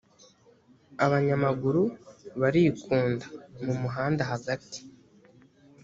abanyamaguru barikunda mumuhanda hagati.